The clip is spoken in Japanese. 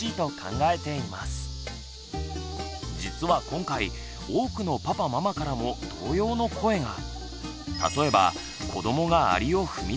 実は今回多くのパパママからも同様の声が。